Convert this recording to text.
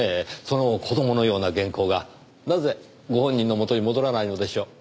その子供のような原稿がなぜご本人のもとに戻らないのでしょう？